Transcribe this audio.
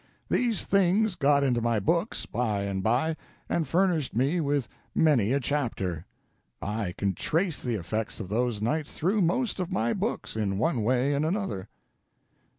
These things got into my books by and by, and furnished me with many a chapter. I can trace the effects of those nights through most of my books, in one way and another."